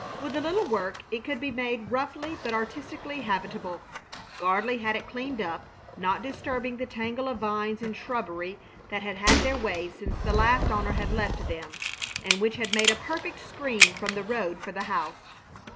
With a little work it could be made roughly but artistically habitable. Gardley had it cleaned up, not disturbing the tangle of vines and shrubbery that had had their way since the last owner had left them and which had made a perfect screen from the road for the house.